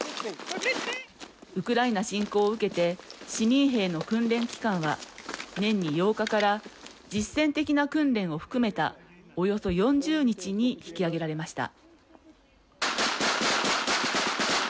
ウクライナ侵攻を受けて市民兵の訓練期間は年に８日から実戦的な訓練を含めたおよそ４０日に引き上げられました。